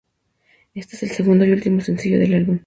Este es el segundo y último sencillo del álbum.